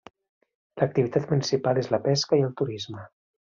L'activitat principal és la pesca i el turisme.